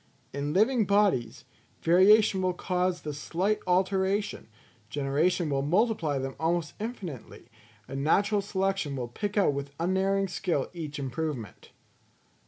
In living bodies, variation will cause the slight alteration, generation will multiply them almost infinitely, and natural selection will pick out with unerring skill each improvement.